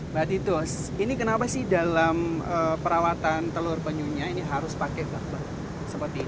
mbak titus ini kenapa sih dalam perawatan telur penyunya ini harus pakai baktek seperti ini